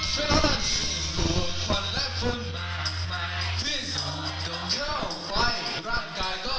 ฝีมือกำเยาะไฟร่างกายก็